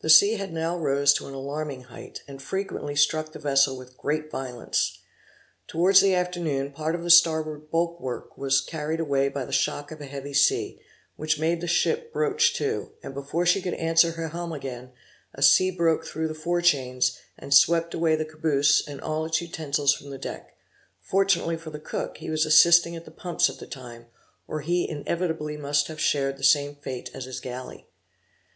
The sea had now rose to an alarming height, and frequently struck the vessel with great violence. Towards the afternoon part of the starboard bulwark was carried away by the shock of a heavy sea, which made the ship broach to, and before she could answer her helm again, a sea broke through the fore chains, and swept away the caboose and all its utensils from the deck; fortunately for the cook he was assisting at the pumps at the time, or he inevitably must have shared the same fate as his galley.